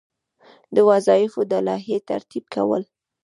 د وظایفو د لایحې ترتیب کول.